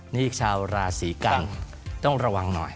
นี่ชาวราศีกันต้องระวังหน่อย